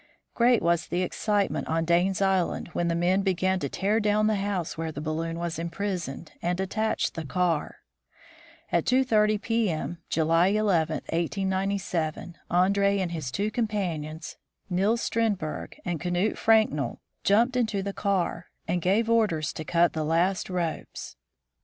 Great was the excitement on Dane's island when the men began to tear down the house where the balloon was imprisoned, and attach the car. At 2.30 p.m., July 11, 1897, Andree and his two companions, Nils Strindberg and Knut Fraenkel, jumped into the car, and gave orders to cut the last ropes.